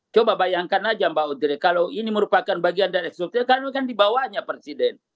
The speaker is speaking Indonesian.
coba bayangkan aja mbak udri kalau ini merupakan bagian dari eksekutif karena itu kan di bawahnya presiden